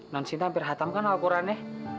nun sinta hampir hatam kan al qurannya